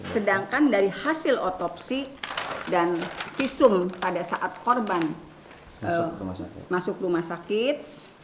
sedangkan dari hasil otopsi dan visum pada saat korban masuk rumah sakit